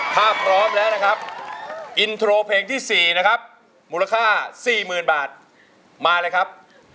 ถ้าพร้อมแล้วนะครับอินโทรเพลงที่๔นะครับมูลค่า๔๐๐๐บาทมาเลยครับ